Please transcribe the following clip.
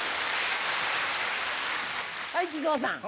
はい木久扇さん。